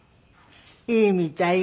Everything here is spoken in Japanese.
いいみたい。